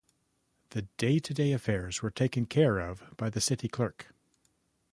The day-to-day affairs were taken care of by the city clerk.